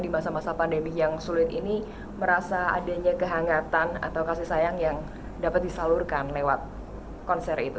di masa masa pandemi yang sulit ini merasa adanya kehangatan atau kasih sayang yang dapat disalurkan lewat konser itu